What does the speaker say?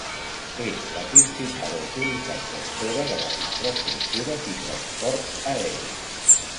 És la principal autoritat gestora de les infraestructures i transport aeri.